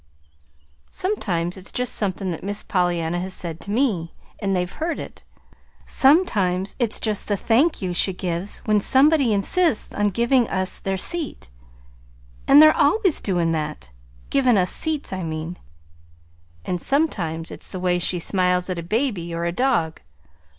"Sometimes it's just somethin' that Miss Pollyanna has said to me, and they've heard it. Sometimes it's just the 'Thank you,' she gives when somebody insists on givin' us their seat and they're always doin' that givin' us seats, I mean. And sometimes it's the way she smiles at a baby or a dog.